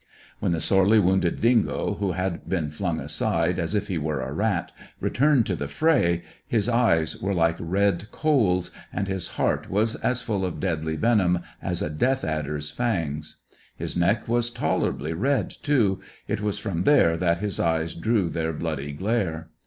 When the sorely wounded dingo, who had been flung aside as if he were a rat, returned to the fray his eyes were like red coals, and his heart was as full of deadly venom as a death adder's fangs. His neck was tolerably red, too; it was from there that his eyes drew their bloody glare.